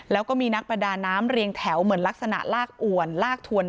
แล้วก็มีนักประดาน้ำเรียงแถวเหมือนลักษณะลากอวนลากถวน